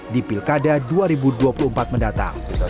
dan berhenti berpikir pikir